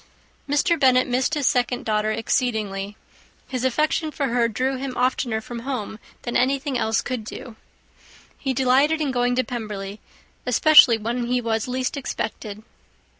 Mr. Bennet missed his second daughter exceedingly; his affection for her drew him oftener from home than anything else could do. He delighted in going to Pemberley, especially when he was least expected.